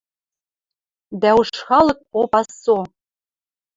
Дӓ уж халык попа со